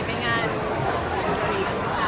ได้ให้ไปงาน